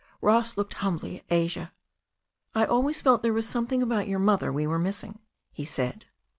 Ross looked humbly at Asia. "I always felt there was something about your mother we were missing," he said.